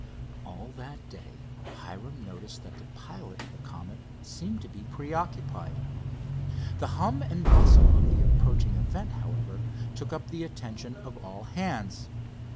All that day, Hiram noticed that the pilot of the Comet seemed to be preoccupied. The hum and bustle of the approaching event, however, took up the attention of all hands.